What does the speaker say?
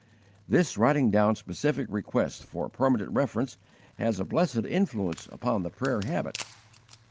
This writing down specific requests for permanent reference has a blessed influence upon the prayer habit.